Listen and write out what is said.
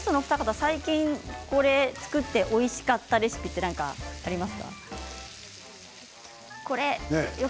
最近、作っておいしかったレシピはありますか。